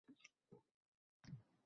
Qulog‘im o‘z-o‘zidan dinkayib ketdi